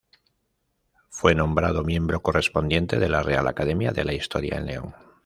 Fue nombrado miembro correspondiente de la Real Academia de la Historia en León.